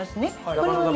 これはね